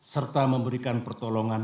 serta memberikan pertolongan